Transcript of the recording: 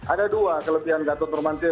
ada dua kelebihan gatot nurmantio